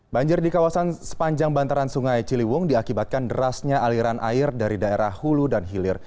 banjir di kawasan sepanjang bantaran sungai ciliwung diakibatkan derasnya aliran air dari daerah hulu dan hilir